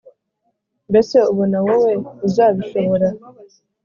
mbese ubona wowe uzabishobora